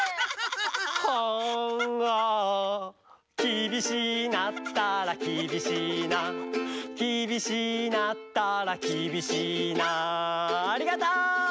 あんああきびしいなったらきびしいなきびしいなったらきびしいなありがとう！